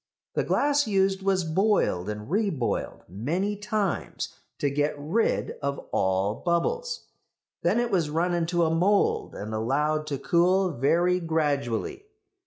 The glass used was boiled and reboiled many times to get rid of all bubbles. Then it was run into a mould and allowed to cool very gradually.